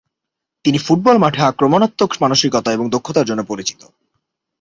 তিনি ফুটবল মাঠে আক্রমণাত্মক মানসিকতা এবং দক্ষতার জন্য পরিচিত।